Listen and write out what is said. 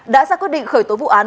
đã ra quyết định khởi tố vụ án